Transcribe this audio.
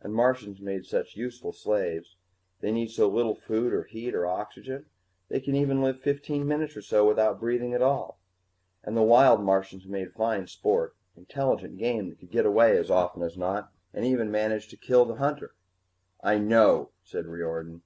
And Martians made such useful slaves they need so little food or heat or oxygen, they can even live fifteen minutes or so without breathing at all. And the wild Martians made fine sport intelligent game, that could get away as often as not, or even manage to kill the hunter." "I know," said Riordan.